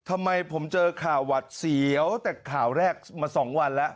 ทำไมผมเจอข่าวหวัดเสียวแต่ข่าวแรกมา๒วันแล้ว